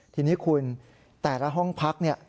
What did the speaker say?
ทีนี้คุณแต่ละห้องพักเนี่ย